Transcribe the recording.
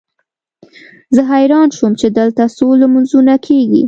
زه حیران شوم چې دلته څو لمونځونه کېږي.